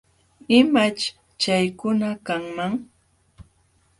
¿Imaćh chaykuna kanman?